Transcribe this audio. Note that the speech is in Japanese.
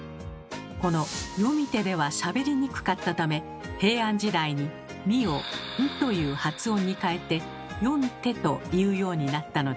この「読みて」ではしゃべりにくかったため平安時代に「み」を「ん」という発音に変えて「読んて」と言うようになったのです。